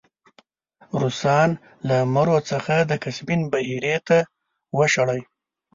روسان له مرو څخه د کسپین بحیرې ته وشړی.